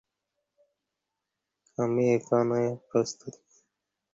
আমি এখনো প্রস্তুত নই!